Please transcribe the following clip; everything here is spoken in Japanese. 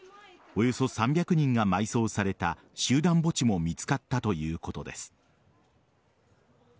およそ３００人が埋葬された集団墓地も見つかったということです。